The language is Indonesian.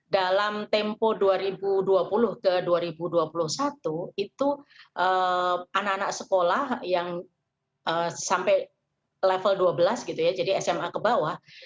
dalam tempo dua ribu dua puluh ke dua ribu dua puluh satu itu anak anak sekolah yang sampai level dua belas gitu ya jadi sma ke bawah